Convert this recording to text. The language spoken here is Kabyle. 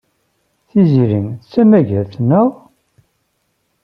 Tiziri d tamasgadt, naɣ?